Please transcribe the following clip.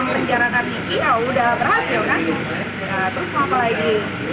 terus apa lagi